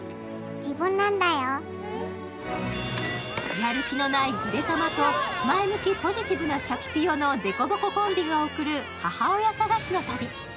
やる気のないぐでたまと前向き、ポジティブなしゃきぴよのでこぼこコンビが送る母親探しの旅。